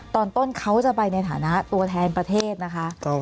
ตอนต้นเขาจะไปในฐานะตัวแทนประเทศนะคะ